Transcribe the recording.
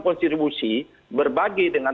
konstitusi berbagi dengan